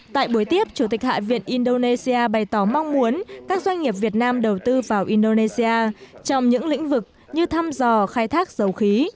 tại buổi tiếp chủ tịch hạ viện indonesia bày tỏ mong muốn các doanh nghiệp việt nam đầu tư vào indonesia trong những lĩnh vực như thăm dò khai thác dầu khí